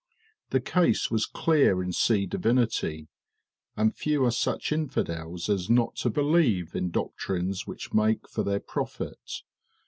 The case was clear in sea divinity; and few are such infidels as not to believe in doctrines which make for their profit.